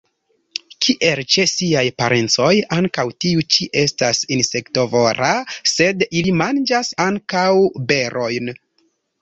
Kiel ĉe siaj parencoj, ankaŭ tiu ĉi estas insektovora, sed ili manĝas ankaŭ berojn.